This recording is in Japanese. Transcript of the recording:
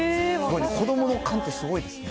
子どもの勘ってすごいですね。